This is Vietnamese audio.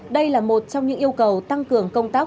đây là một trong những yêu cầu tăng cường công tác